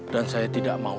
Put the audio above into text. dan saya tahu